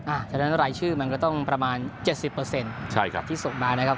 ฉะนั้นรายชื่อมันก็ต้องประมาณ๗๐ที่ส่งมานะครับ